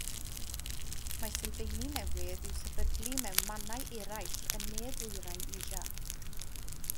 Mae sylfeini newydd i'w sefydlu mewn mannau eraill yn Ne-Ddwyrain Asia.